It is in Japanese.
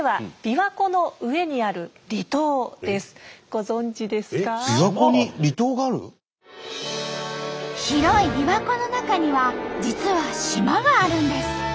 びわ湖に広いびわ湖の中には実は島があるんです。